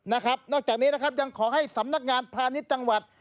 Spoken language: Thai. นอกจากนี้นะครับยังขอให้สำนักงานพาณิชย์จังหวัด